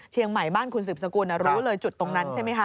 เชียงใหม่บ้านคุณสืบสกุลรู้เลยจุดตรงนั้นใช่ไหมคะ